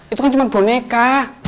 itu kan cuma boneka